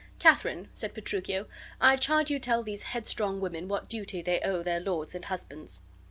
"Katharine," said Petruchio, "I charge you tell these headstrong women what duty they owe their lords and husbands."